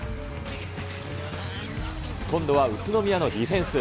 今度は宇都宮のディフェンス。